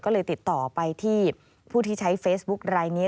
ก็เลยติดต่อไปที่ผู้ที่ใช้เฟซบุ๊คลายนี้